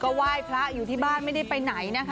ไหว้พระอยู่ที่บ้านไม่ได้ไปไหนนะคะ